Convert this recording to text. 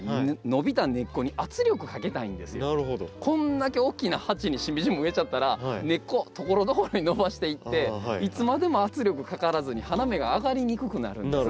こんだけ大きな鉢にシンビジウム植えちゃったら根っこところどころに伸ばしていっていつまでも圧力かからずに花芽があがりにくくなるんですよ。